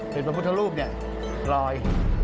เห็นบรรพุทธรูปนี่ลอย